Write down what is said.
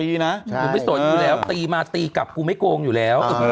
หนูไม่สนอยู่แล้วตีมาตีกลับกูไม่โกงอยู่แล้ว